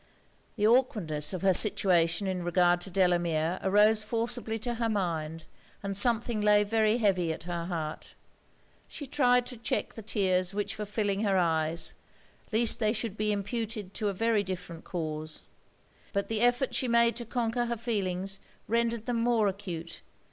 The awkwardness of her situation in regard to Delamere arose forcibly to her mind, and something lay very heavy at her heart. She tried to check the tears which were filling her eyes, least they should be imputed to a very different cause; but the effort she made to conquer her feelings rendered them more acute.